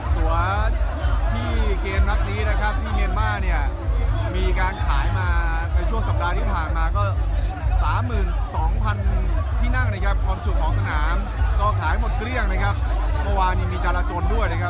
ตัวที่เกมนัดนี้นะครับที่เมียนมาร์เนี่ยมีการขายมาในช่วงสัปดาห์ที่ผ่านมาก็สามหมื่นสองพันที่นั่งนะครับความสุขของสนามก็ขายหมดเกลี้ยงนะครับเมื่อวานนี้มีจาราจนด้วยนะครับ